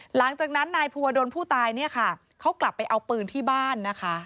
หลังจากนั้นนายภูมิโดนผู้ตายเขากลับไปเอาปืนที่บ้าน